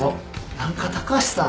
何か高橋さん